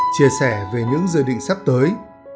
chia sẻ về những dự định sắp tới